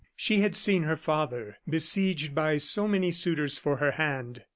She had seen her father besieged by so many suitors for her hand.